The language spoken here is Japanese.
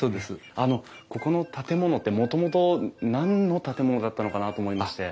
あのここの建物ってもともと何の建物だったのかなと思いまして。